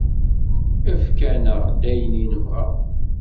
Efk-aneɣ-d ayen i nebɣa.